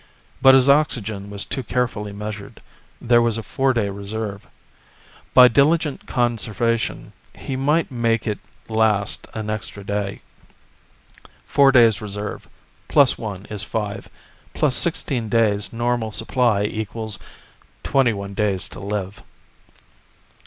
But his oxygen was too carefully measured; there was a four day reserve. By diligent conservation, he might make it last an extra day. Four days reserve plus one is five plus sixteen days normal supply equals twenty one days to live.